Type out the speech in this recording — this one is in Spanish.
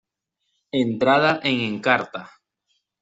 Entrada en Encarta